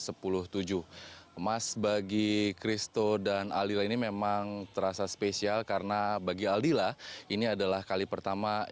emas bagi christo dan aldila ini memang terasa spesial karena bagi aldila ini adalah kali pertama